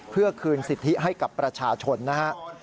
เพื่อคืนสิทธิให้กับประชาชนนะฮะ